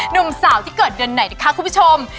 หนุ่มสาวที่เกิดเดือนไหนนะคะคุณผู้ชม